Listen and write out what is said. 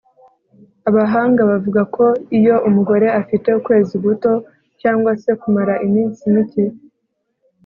Abahanga bavuga ko iyo umugore afite ukwezi guto cyangwa se kumara iminsi mike